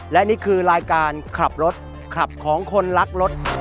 และนี่คือรายการขับรถขับของคนรักรถ